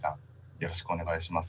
よろしくお願いします。